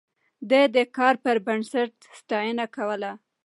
ده د کار پر بنسټ ستاينه کوله.